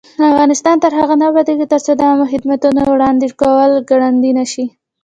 افغانستان تر هغو نه ابادیږي، ترڅو د عامه خدماتو وړاندې کول ګړندی نشي.